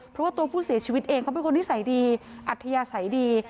เพราะว่าตัวผู้เสียชีวิตเองเขาเป็นคนนิสัยดีอัธยาศัยดี